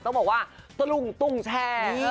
ต้องบอกว่าตรุ่งตรุ่งแชง